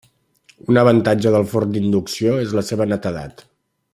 Un avantatge del forn d'inducció és la seva netedat.